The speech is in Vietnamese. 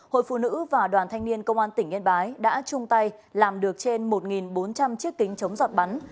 hội phụ nữ và đoàn thanh niên công an tỉnh yên bái đã chung tay làm được trên một bốn trăm linh chiếc kính chống giọt bắn